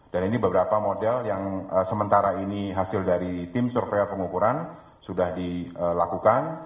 dan ini beberapa model yang sementara ini hasil dari tim surveyor pengukuran sudah dilakukan